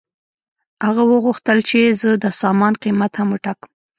هغه وغوښتل چې زه د سامان قیمت هم وټاکم